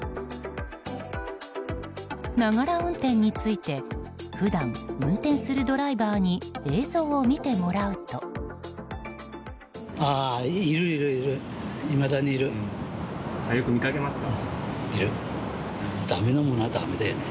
ながら運転について普段、運転するドライバーに映像を見てもらうと。ながら